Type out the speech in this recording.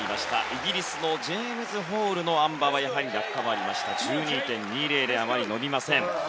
イギリスのジェームズ・ホールのあん馬はやはり落下がありまして１２．２００であまり伸びません。